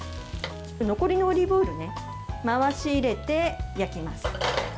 残りのオリーブオイルを回し入れて焼きます。